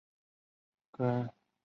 跟他们坐同路线